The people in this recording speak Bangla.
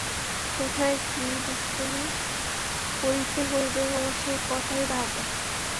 কোথায় কী দুষ্টামি করিতে হইবে, ও সেই কথাই ভাবে।